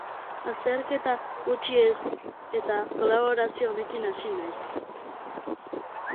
Azterketa gutxi ez eta kolaborazio honekin hasi naiz!